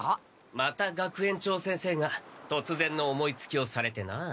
また学園長先生がとつぜんの思いつきをされてな。